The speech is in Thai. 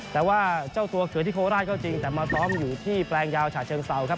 แต่ว่าเจ้าตัวเขินที่โคราชก็จริงแต่มาซ้อมอยู่ที่แปลงยาวฉะเชิงเซาครับ